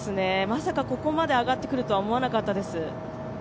まさかここまで上がってくるとは思わなかったです。